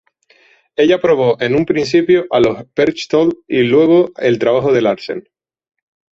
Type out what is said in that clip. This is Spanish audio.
Ella apoyó en un principio a los Berchtold y luego el trabajo de Larsen.